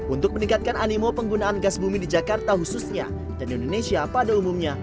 untuk meningkatkan animo penggunaan gas bumi di jakarta khususnya dan indonesia pada umumnya